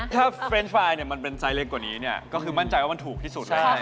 ถ้าเฟรนด์ไฟล์เนี่ยมันเป็นไซส์เล็กกว่านี้เนี่ยก็คือมั่นใจว่ามันถูกที่สุดได้